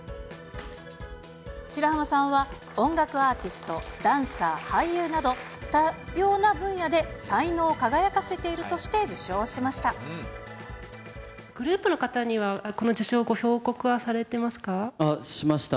白濱さんは、音楽アーティスト、ダンサー、俳優など、多様な分野で才能を輝かせているとして受賞しました。